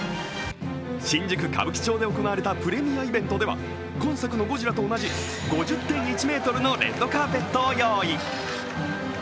新宿・歌舞伎町で行われたプレミアイベントでは今作のゴジラと同じ５０．１ｍのレッドカーペットを用意。